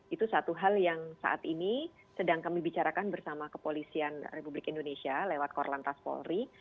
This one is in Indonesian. itu satu hal yang saat ini sedang kami bicarakan bersama kepolisian republik indonesia lewat korlantas polri